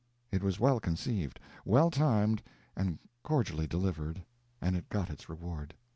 It was well conceived, well timed, and cordially delivered—and it got its reward.